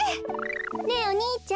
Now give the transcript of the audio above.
ねえお兄ちゃん。